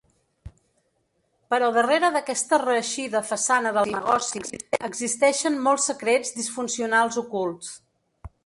Però darrere d'aquesta reeixida façana del negoci, existeixen molts secrets disfuncionals ocults.